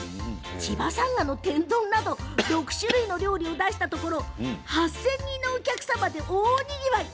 千葉さんがの天丼など６種類の料理を出したところ８０００人のお客様で大にぎわい。